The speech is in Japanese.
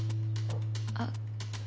あっ。